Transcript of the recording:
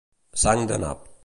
Sang de nap.